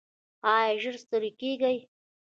ایا ژر ستړي کیږئ؟